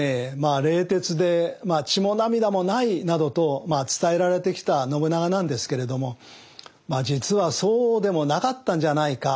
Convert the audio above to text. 冷徹で血も涙もないなどと伝えられてきた信長なんですけれども実はそうでもなかったんじゃないか。